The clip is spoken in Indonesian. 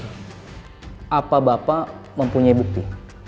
apa bapak mempunyai bukti